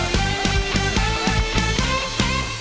รุ่นนะครับ